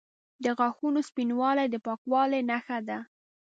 د غاښونو سپینوالی د پاکوالي نښه ده.